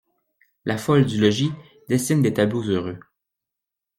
La folle du logis dessine des tableaux heureux.